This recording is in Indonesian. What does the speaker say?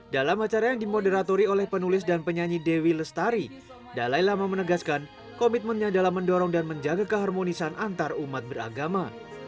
dalam acara yang dimoderatori oleh penulis dan penyanyi dewi lestari dalai lama menegaskan komitmennya dalam mendorong dan menjaga keharmonisan antarumat beragama